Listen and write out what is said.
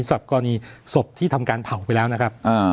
สำหรับกรณีศพที่ทำการเผาไปแล้วนะครับ